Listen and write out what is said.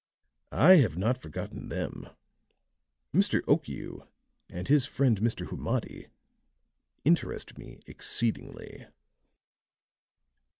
I have not forgotten them. Mr. Okiu and his friend Mr. Humadi interest me exceedingly.